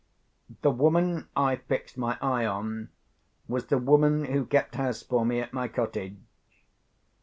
The woman I fixed my eye on, was the woman who kept house for me at my cottage.